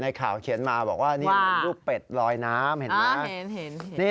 ข่าวเขียนมาบอกว่านี่มันรูปเป็ดลอยน้ำเห็นไหม